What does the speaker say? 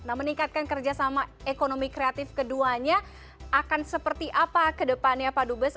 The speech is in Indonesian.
nah meningkatkan kerjasama ekonomi kreatif keduanya akan seperti apa ke depannya pak dubes